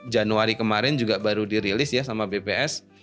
januari kemarin juga baru dirilis ya sama bps